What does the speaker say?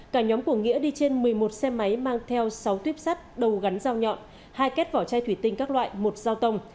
cả nhóm của nghĩa đi trên một mươi một xe máy mang theo sáu tuyếp sắt đầu gắn dao nhọn hai két vỏ chai thủy tinh các loại một dao tông